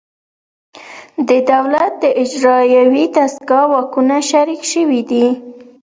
د دولت د اجرایوي دستگاه واکونه شریک شوي دي